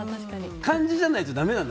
漢字じゃないとだめなの？